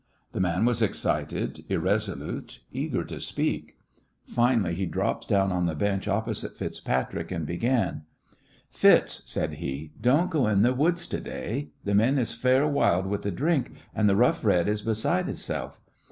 The man was excited, irresolute, eager to speak. Finally he dropped down on the bench opposite FitzPatrick, and began. "Fitz," said he, "don't go in th' woods to day. The men is fair wild wid th' drink, and th' Rough Red is beside hi'self.